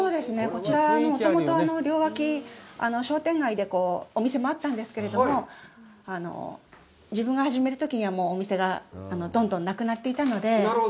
こちら、もともと両脇、商店街で、お店もあったんですけれども、自分が始めるときには、お店がどんどんなくなっていたので。